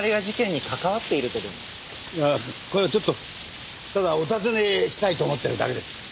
いやこれはちょっとただお尋ねしたいと思ってるだけです。